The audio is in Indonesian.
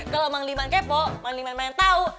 kalau mang liman kepo mang liman main tahu